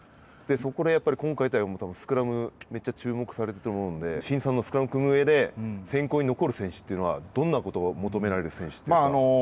そこでやっぱり今回はたぶんスクラム、めっちゃ注目されると思うので、慎さんのスクラムを組む上で選考に残る選手というのはどんなことを求められる選手ですか。